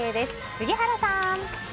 杉原さん！